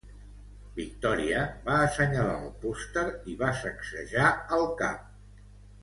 Victoria va assenyalar el pòster i va sacsejar el cap.